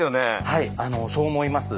はいそう思います。